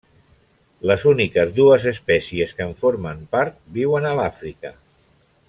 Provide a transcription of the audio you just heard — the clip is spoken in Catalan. Les úniques dues espècies que en formen part viuen a l'Àfrica.